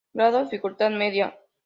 Grado dificultad: Media.